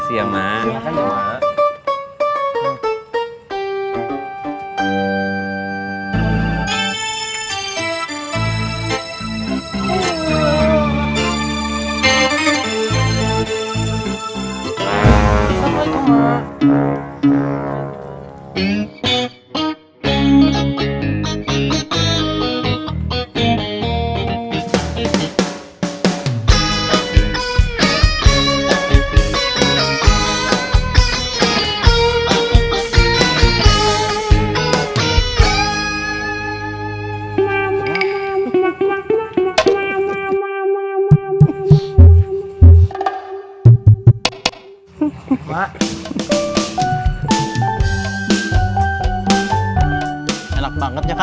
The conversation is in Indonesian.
enak banget ya kak